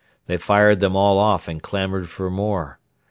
They fired them all off and clamoured for more.